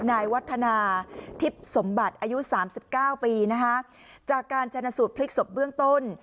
นายวัฒนาทิพย์สมบัติอายุ๓๙ปีจากการชนะสูตรพลิกศพเบื้องตน